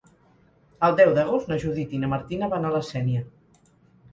El deu d'agost na Judit i na Martina van a la Sénia.